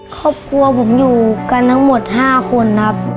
ครอบครัวผมอยู่กันทั้งหมด๕คนครับ